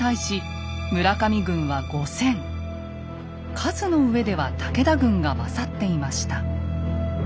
数の上では武田軍が勝っていました。